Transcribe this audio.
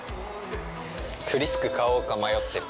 フリスク買おうか迷ってる。